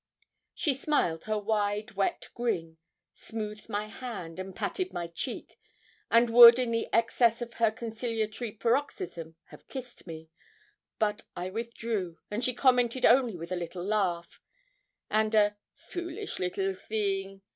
She smiled her wide wet grin, smoothed my hand, and patted my cheek, and would in the excess of her conciliatory paroxysm have kissed me; but I withdrew, and she commented only with a little laugh, and a 'Foolish little thing!